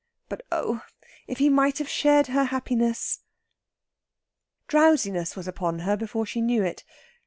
But oh! if he might have shared her happiness! Drowsiness was upon her before she knew it.